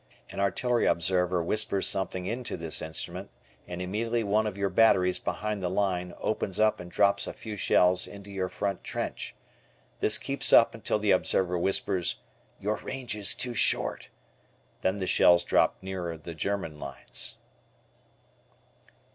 An artillery observer whispers something into this instrument and immediately one of your batteries behind the line opens up and drops a few shells into your front trench. This keeps up until the observer whispers, "Your range is too short." Then the shells drop nearer the German lines.